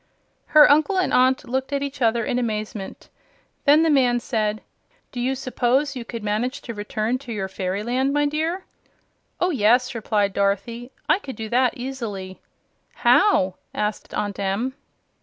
Her uncle and aunt looked at her in amazement. Then the man said: "Do you suppose you could manage to return to your fairyland, my dear?" "Oh yes," replied Dorothy; "I could do that easily." "How?" asked Aunt Em.